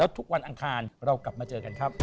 ทุกวันอังคารเรากลับมาเจอกันครับ